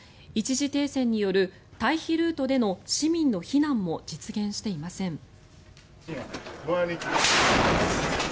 一時停戦による退避ルートでの避難の市民も実現していません。